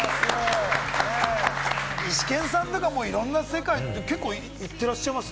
イシケンさんなんか、いろんな世界に行ってらっしゃいます？